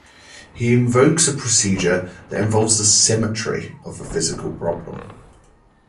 He invokes a procedure that involves the "symmetry" of the physical problem.